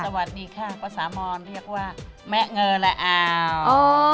สวัสดีค่ะประสามรเรียกว่าแม่เงิร์ระอาว